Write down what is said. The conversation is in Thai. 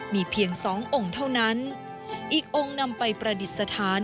มีเพียงสององค์เท่านั้นอีกองค์นำไปประดิษฐาน